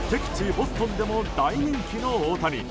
ボストンでも大人気の大谷。